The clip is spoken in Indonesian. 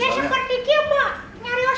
ya seperti itu pak